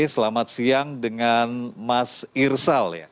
selamat siang dengan mas irsal ya